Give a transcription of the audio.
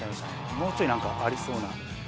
もうちょい何かありそうな。